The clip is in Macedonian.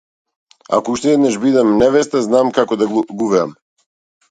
Ако уште еднаш бидам невеста, знам како да гувеам.